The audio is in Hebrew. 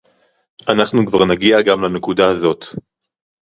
אנחנו כבר נגיע גם לנקודה הזאת